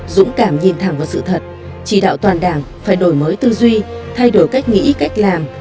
dũng cảm nhìn thẳng vào sự thật chỉ đạo toàn đảng phải đổi mới tư duy thay đổi cách nghĩ cách làm